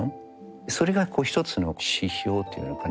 それが一つの指標っていうのかな。